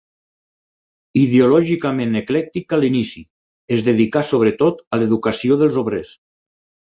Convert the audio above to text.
Ideològicament eclèctic a l'inici, es dedicà sobretot a l'educació dels obrers.